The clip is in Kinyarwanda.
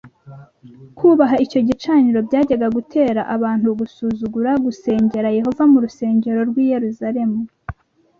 Kubaha icyo gicaniro byajyaga gutera abantu gusuzugura gusengera Yehova mu rusengero rwi Yerusalemu